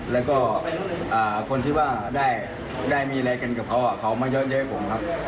แล้วก็คนที่ว่าได้มีอะไรกันกับเขาเขามาเยอะให้ผมครับ